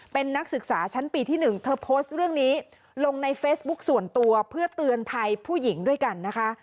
เป็นนักศึกษาชั้นปีที่๑เธอโพสต์เรื่องนี้ลงในเฟซบุ๊คส่วนตัวเพื่อเตือนภัยผู้หญิงด้วยกันนะคะ